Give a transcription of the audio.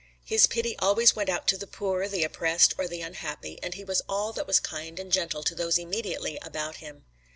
His pity always went out to the poor, the oppressed, or the unhappy, and he was all that was kind and gentle to those immediately about him.